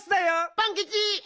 パンキチ！